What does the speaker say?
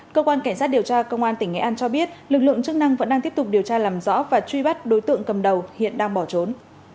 cơ quan cảnh sát điều tra công an tỉnh nghệ an cho biết lực lượng chức năng vẫn đang tiếp tục điều tra làm rõ và truy bắt đối tượng cầm đầu hiện đang bỏ trốn